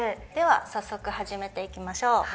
では早速始めていきましょう。